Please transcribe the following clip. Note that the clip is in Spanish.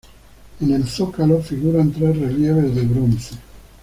En el zócalo, figuran tres relieves de bronce.